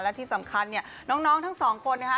และที่สำคัญเนี่ยน้องทั้งสองคนนะคะ